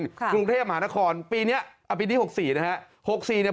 บริมณ์บนกรุงเทพฯหมานครปีนี้๖๔นะครับ